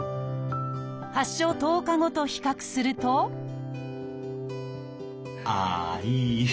発症１０日後と比較するとあいうえお。